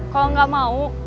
kalau gak mau